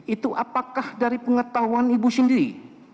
itu apakah dari pengetahuan ibu sendiri